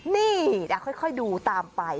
นี่ค่อยดูตามไป